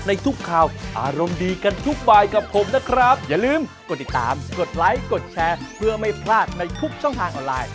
นี่ไงก็เลยเป็นคลิปที่ด่งดังมาก